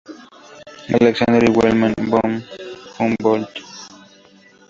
Alexander y Wilhelm von Humboldt.